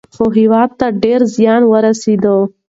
خو هیواد ته ډیر زیان ورسېد.